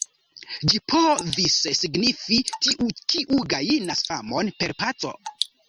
Ĝi povis signifi: "tiu, kiu gajnas famon per paco".